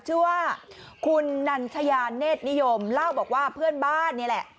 ชื่อว่าคุณนัญชยาเนธนิยมเล่าบอกว่าเพื่อนบ้านนี่แหละ